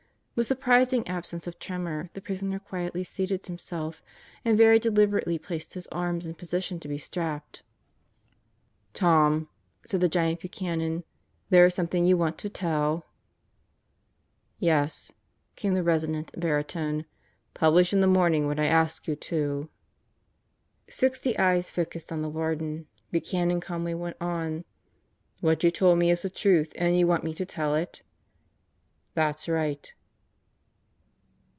With surprising absence of tremor the prisoner quietly seated himself and very deliberately placed his arms in position to be strapped. "Tom," said the giant Buchanan, "there is something you want to tell?" "Yes," came the resonant baritone. "Publish in the morning what I asked you to." Sixty eyes focused on the Warden. Buchanan calmly went on: "What you told me is the truth and you want me to tell it?" "That's right."